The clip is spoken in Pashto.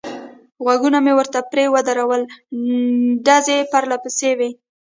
غوږونه مې ورته پرې ودرول، ډزې پرله پسې وې.